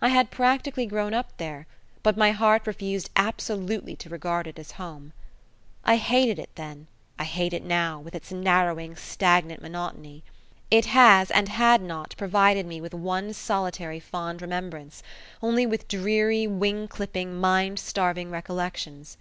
I had practically grown up there, but my heart refused absolutely to regard it as home. I hated it then, I hate it now, with its narrowing, stagnant monotony. It has and had not provided me with one solitary fond remembrance only with dreary, wing clipping, mind starving recollections.